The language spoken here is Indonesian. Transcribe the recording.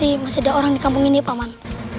kita harus menolong orang di kampung ini pak man